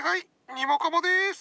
ニモカモです！